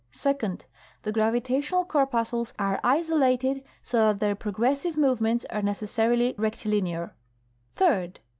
Second. The gravitational corpuscles are isolated, so that their progressive movements are necessarily rectilinear. Third.